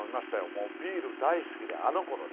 もうビール大好きであのころですよ。